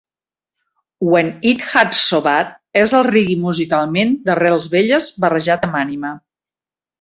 "When It Hurts So Bad" és el reggae musicalment d'arrels velles barrejat amb ànima.